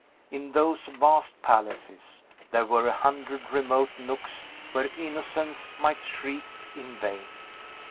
In those vast palaces, there were a hundred remote nooks where Innocence might shriek in vain.